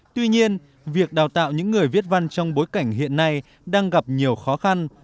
tuy nhiên việc đào tạo những người viết văn trong bối cảnh hiện nay đang gặp nhiều khó khăn